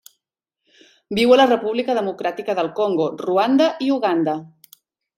Viu a la República Democràtica del Congo, Ruanda i Uganda.